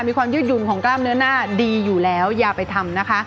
ยืดหยุ่นของกล้ามเนื้อหน้าดีอยู่แล้วอย่าไปทำนะคะ